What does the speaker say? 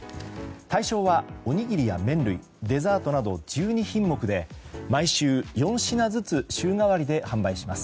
対象はおにぎりや麺類デザートなど１２品目で毎週４品ずつ週替わりで販売します。